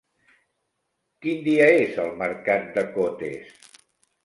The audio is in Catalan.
Quin dia és el mercat de Cotes?